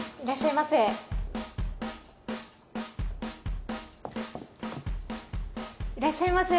いらっしゃいませ。